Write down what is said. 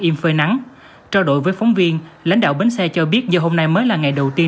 im phơi nắng trao đổi với phóng viên lãnh đạo bến xe cho biết do hôm nay mới là ngày đầu tiên